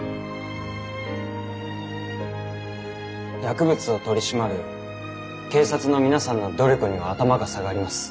薬物を取り締まる警察の皆さんの努力には頭が下がります。